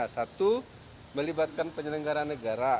satu melibatkan penyelenggara negara